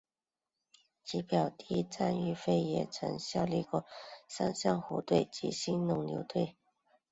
其表弟战玉飞也曾经效力过三商虎队及兴农牛队。